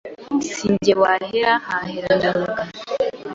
Si jye wahera. hahera ndabaga